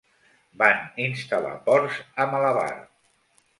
Van instal·lar ports a Malabar.